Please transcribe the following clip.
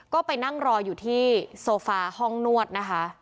ก็ไปนั่งรออยู่ที่โซฟาห้องนวดนะคะ